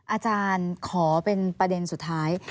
อาจารย์ขอเป็นประเด็นสุดท้าย